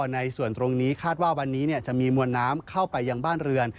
ในส่วนตรงนี้คาดว่าวันนี้จะมีมวลน้ำเข้าไปยังบ้านเรือน